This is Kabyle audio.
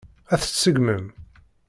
Ad t-tseggmem?